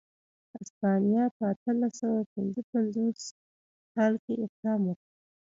هسپانیا په اتلس سوه پنځه پنځوس کال کې اقدام وکړ.